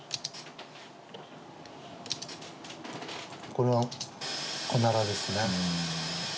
これはコナラですね。